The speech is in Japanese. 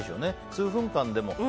数分間でもって。